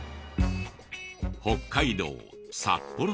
北海道札幌市。